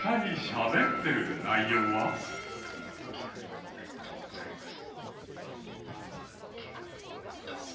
キュウリおめでとうございます。